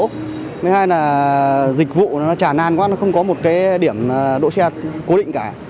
thứ hai là dịch vụ tràn lan quá không có một điểm đỗ xe cố định cả